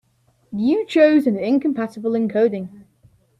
You chose an incompatible encoding.